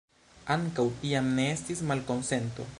Ankaŭ tiam ne estis malkonsento.